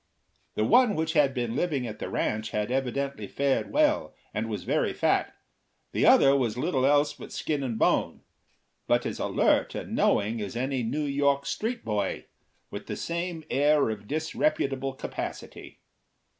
The one which had been living at the ranch had evidently fared well, and was very fat; the other was little else but skin and bone, but as alert and knowing as any New York street boy, with the same air of disreputable capacity.